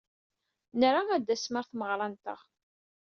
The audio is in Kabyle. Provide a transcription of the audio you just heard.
Nra ad d-tasem ɣer tmeɣra-nteɣ.